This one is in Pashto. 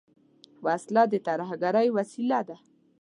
وسله د ترهګرۍ وسیله ده